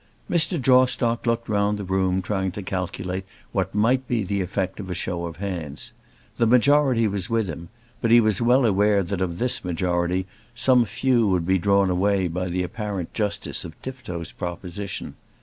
Mr. Jawstock looked round the room trying to calculate what might be the effect of a show of hands. The majority was with him; but he was well aware that of this majority some few would be drawn away by the apparent justice of Tifto's proposition.